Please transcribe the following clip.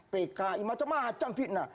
pki macam macam fitnah